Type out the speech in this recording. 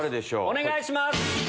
お願いします。